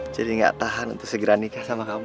jadi gak tahan untuk segera nikah sama kamu